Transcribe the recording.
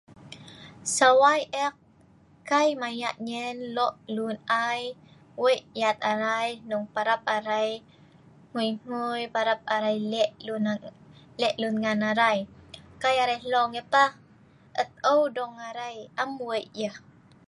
Sawai ek, kai maya' nyen lo' lun ai, wei' yat arai hnong parap arai hngui-hngui, parap arai leh' lun aro' leh' lun ngan arai. Kai arai hlong ai' pah, hlong eu arai am wei' yah.